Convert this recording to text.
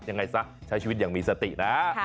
ยังไงซะใช้ชีวิตอย่างมีสตินะ